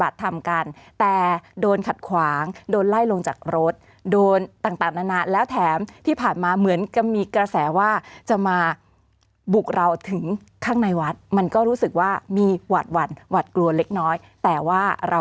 ถามคุณสาธิดาเหมือนกันค่ะ